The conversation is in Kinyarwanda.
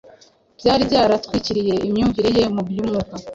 byari byaratwikiriye imyumvire ye mu by’umwuka